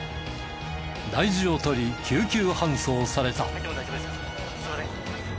大事を取り救急搬送された。